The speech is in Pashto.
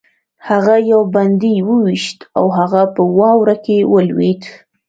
هغه یو بندي وویشت او هغه په واوره کې ولوېد